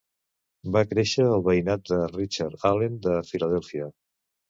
Va créixer al veïnat de Richard Allen de Filadèlfia.